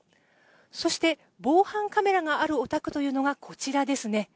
そして、防犯カメラがあるお宅というのがこちらですね。